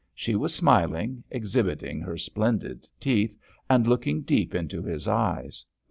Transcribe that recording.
She was smiling, exhibiting her splendid teeth, and looking deep into his eyes.